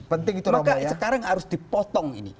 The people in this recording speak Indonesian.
maka sekarang harus dipotong ini